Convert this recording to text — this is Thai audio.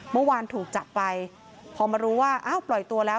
เมื่อวานถูกจับไปพอมารู้ว่าอ้าวปล่อยตัวแล้ว